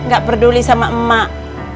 gak peduli sama emak